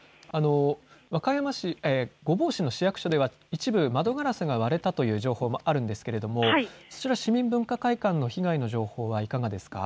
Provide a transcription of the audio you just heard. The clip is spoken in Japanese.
和歌山市、御坊市の市役所では一部窓ガラスが割れたという情報もあるんですけれどもそちら、市民文化会館の被害の情報はいかがですか。